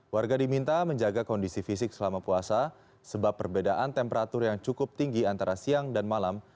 warga diminta menjaga kondisi fisik selama puasa sebab perbedaan temperatur yang cukup tinggi antara siang dan malam